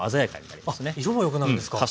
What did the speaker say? あっ色も良くなるんですか。